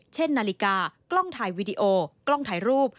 เช่นนาฬิกากล้องถ่ายวีดีโอกล้องถ่ายรูป